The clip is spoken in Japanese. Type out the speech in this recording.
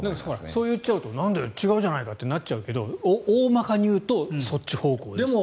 そう言っちゃうとなんだよ違うじゃないかってなっちゃうけど大まかに言うとそっち方向ですと。